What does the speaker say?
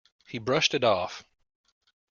He brushed it off.